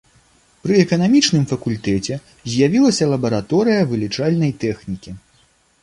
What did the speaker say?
Пры эканамічным факультэце з'явілася лабараторыя вылічальнай тэхнікі.